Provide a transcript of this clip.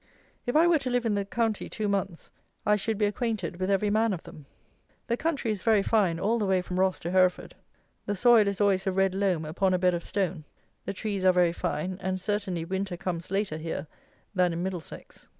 If I were to live in the county two months, I should be acquainted with every man of them. The country is very fine all the way from Ross to Hereford. The soil is always a red loam upon a bed of stone. The trees are very fine, and certainly winter comes later here than in Middlesex.